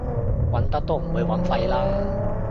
揾得都唔會廢啦